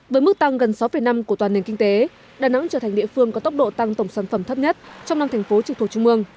với mức tăng gần sáu năm của toàn nền kinh tế đà nẵng trở thành địa phương có tốc độ tăng tổng sản phẩm thấp nhất trong năm thành phố trực thuộc trung mương